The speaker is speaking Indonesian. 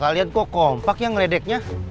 kalian kok kompak ya ngeledeknya